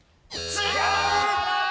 違う！